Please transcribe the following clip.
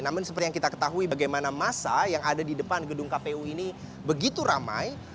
namun seperti yang kita ketahui bagaimana masa yang ada di depan gedung kpu ini begitu ramai